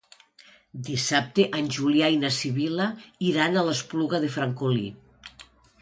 Dissabte en Julià i na Sibil·la iran a l'Espluga de Francolí.